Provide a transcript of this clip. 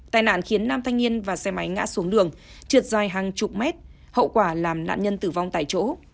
tài nạn khiến nam thanh niên và xe máy ngã xuống đường trượt dài hàng chục mét hậu quả làm nạn nhân tử vong tại chỗ